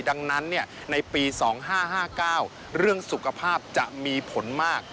ดังนั้นในปี๒๕๕๙เรื่องสุขภาพจะมีผลมาก